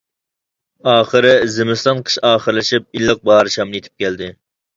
ئاخىرى زىمىستان قىش ئاخىرلىشىپ ئىللىق باھار شامىلى يېتىپ كەلدى.